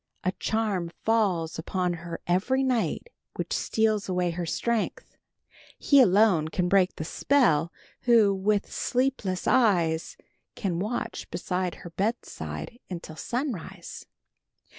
A charm falls upon her every night which steals away her strength. He alone can break the spell, who, with sleepless eyes, can watch beside her bedside until sunrise."